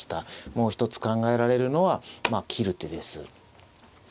もう一つ考えられるのはまあ切る手です。